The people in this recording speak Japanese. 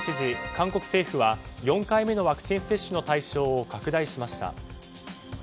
韓国政府は４回目のワクチン接種の対象を拡大しました。